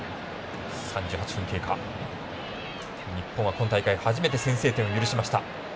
今大会初めて先制点を許しました。